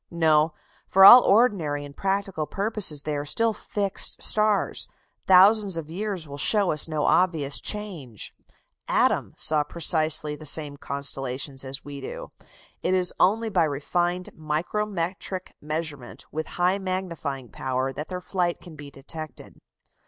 No, for all ordinary and practical purposes they are still fixed stars; thousands of years will show us no obvious change; "Adam" saw precisely the same constellations as we do: it is only by refined micrometric measurement with high magnifying power that their flight can be detected.